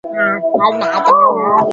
Nilikuwa na njaa.